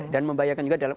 dan membahayakan juga dalam